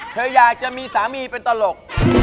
เธออยากจะมีสามีเป็นตลก